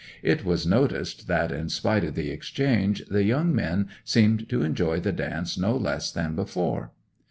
It was noticed that in spite o' the exchange the young men seemed to enjoy the dance no less than before.